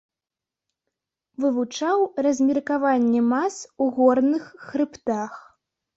Вывучаў размеркаванне мас у горных хрыбтах.